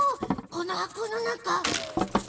この箱の中？